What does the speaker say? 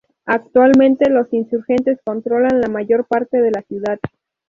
Actualmente los insurgentes controlan la mayor parte de la ciudad.